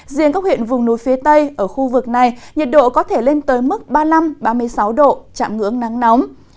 riêng các huyện vùng núi phía tây ở khu vực này nhiệt độ có thể lên tới mức ba mươi năm ba mươi sáu độ chạm ngưỡng nắng nóng